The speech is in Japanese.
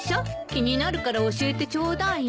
気になるから教えてちょうだいよ。